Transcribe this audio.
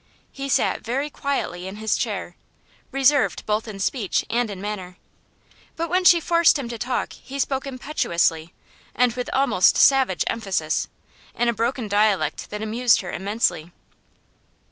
He sat very quietly in his chair, reserved both in speech and in manner; but when she forced him to talk he spoke impetuously and with almost savage emphasis, in a broken dialect that amused her immensely.